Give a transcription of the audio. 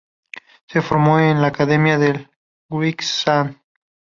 Se formo en la academia del Wrexham.